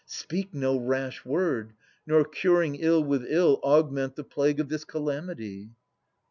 Speak no rash word ! nor curing ill with ill Augment the plague of this calamity.